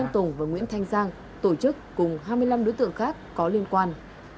tùng và nguyễn thanh giang tổ chức cùng hai mươi năm đối tượng khác có liên quan